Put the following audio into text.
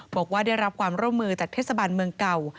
บอกว่าได้รับความร่วมมือจากเทศบาลเมืองเก่า